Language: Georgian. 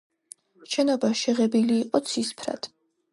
შენობა შეღებილი იყო ცისფრად.